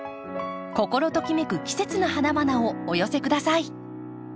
心ときめく季節の花々をお寄せください。